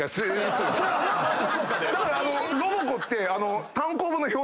だから『ロボコ』って。